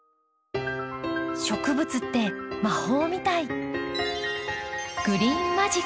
植物って魔法みたい。